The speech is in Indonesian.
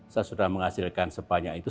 saya sudah menghasilkan sebanyak itu